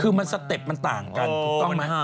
คือสเต็ปมันต่างกัน